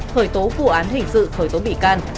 khởi tố vụ án hình sự khởi tố bị can